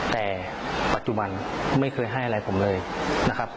แต่ปัจจุบันไม่เคยให้อะไรผมเลยนะครับ